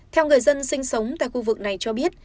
theo người dân sinh sống tại khu vực này cho biết